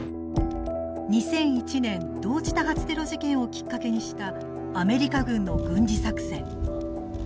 ２００１年同時多発テロ事件をきっかけにしたアメリカ軍の軍事作戦。